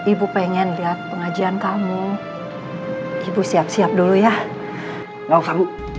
ibu pengen lihat pengajian kamu ibu siap siap dulu ya maaf kamu